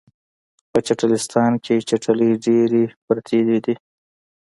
په چټلستان کې چټلۍ ډیرې پراتې دي